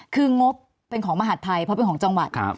คืองบเป็นของมหาดไทยเพราะเป็นของจังหวัด